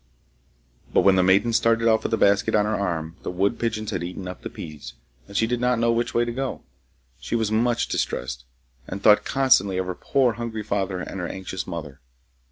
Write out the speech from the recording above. But when the maiden started off with the basket on her arm, the wood pigeons had eaten up the peas, and she did not know which way to go. She was much distressed, and thought constantly of her poor hungry father and her anxious mother.